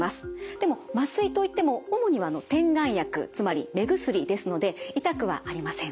でも麻酔と言っても主には点眼薬つまり目薬ですので痛くはありません。